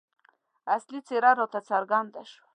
اصلي څېره راته څرګنده شوه.